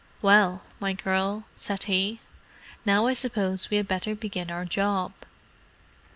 "Well, my girl," said he. "Now I suppose we had better begin our job."